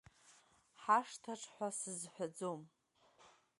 Ҳашҭаҿ ҳәа сызҳәаӡом…